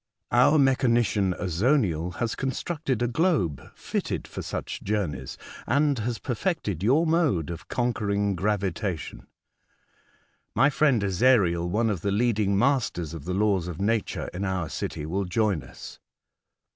Our mechanician, Azoniel, has constructed a globe fitted for such journeys* and has perfected your mode of conquering gravitation. My friend Ezariel, one of the leading masters of the laws of nature in our city, will join us."